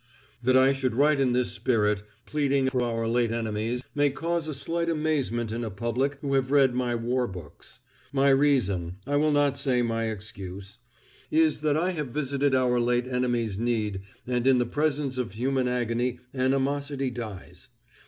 That I should write in this spirit, pleading for our late enemies, may cause a slight amazement in a public who have read my war books. My reason—I will not say my excuse:—is that I have visited our late enemies' need and in the presence of human agony animosity dies.